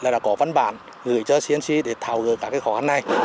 đã có văn bản gửi cho scic để thảo gỡ các khó khăn này